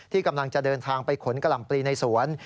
กำลังจะเดินทางไปขนกะหล่ำปลีในสวน